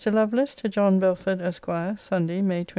LOVELACE, TO JOHN BELFORD, ESQ. SUNDAY, MAY 21.